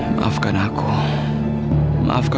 mereka akan semua mendahulukan